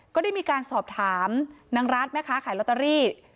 ก็ได้มีการสอบถามนางรัฐแม่ค้าขายลอตเตอรี่